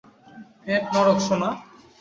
এ এক নরক, সোনা।